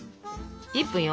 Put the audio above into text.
１分よ。